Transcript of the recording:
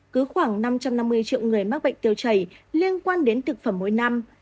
cứ khoảng năm trăm năm mươi triệu người mắc bệnh tiêu chảy liên quan đến thực phẩm mỗi năm